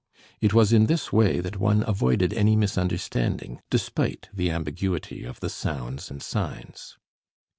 It was in this way that one avoided any misunderstanding despite the ambiguity of the sounds and signs.